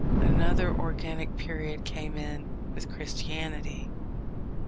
Another organic period came in with Christianity.